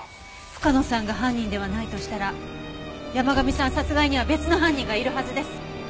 深野さんが犯人ではないとしたら山神さん殺害には別の犯人がいるはずです。